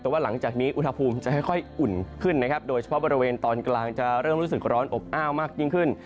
แต่ว่าหลังจากนี้อุณหภูมิจะค่อยอุ่นขึ้นนะครับโดยเฉพาะบริเวณตอนกลางจะเริ่มรู้สึกร้อนอบอ้าวมากยิ่งขึ้น